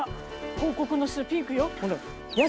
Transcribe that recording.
広告の品ピンクよこれ。